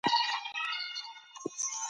تاسې خپلې جامې تل پاکې وساتئ.